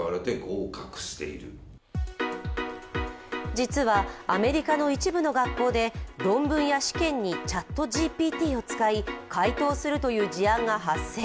実は、アメリカの一部の学校で論文や試験にＣｈａｔＧＰＴを使い、回答するという事案が発生。